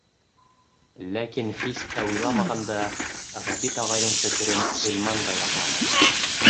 Ләкин, һис тә уйламағанда, Ғәбит ағайҙың фекерен Ғилман да яҡланы.